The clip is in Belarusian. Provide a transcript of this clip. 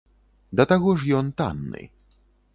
Да таго ж ён танны.